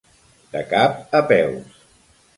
De cap a peus.